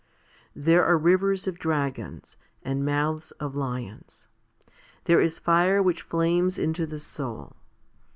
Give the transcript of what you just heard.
There are rivers of dragons, 1 and mouths of lions. There is fire which flames into the soul.